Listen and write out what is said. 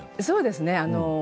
そうですね。